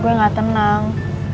gue gak tenang